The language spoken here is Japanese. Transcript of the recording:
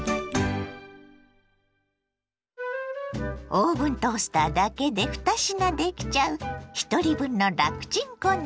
オーブントースターだけで２品できちゃうひとり分の楽チン献立。